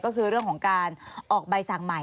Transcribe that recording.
ก็คือเรื่องของการออกใบสั่งใหม่